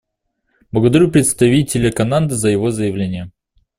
Благодарю представителя Канады за его заявление.